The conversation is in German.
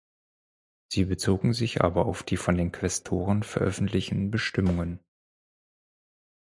Sie bezogen sich aber auf die von den Quästoren veröffentlichen Bestimmungen.